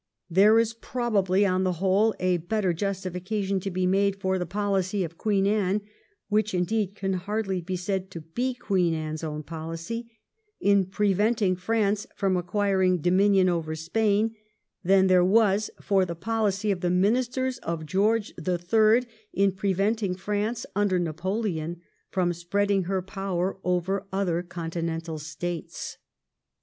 There is probably on the whole a better justifica tion to be made for the pohcy of Queen Anne — which indeed can hardly be said to be Queen Anne's own policy — in preventing France from acquiring dominion over Spain, than there was for the policy of the Ministers of George the Third in preventing France under Napoleon from spreading her power over other Continental States. 1711 13 THE QUEEN'S SYMPATHIES.